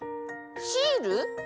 シール？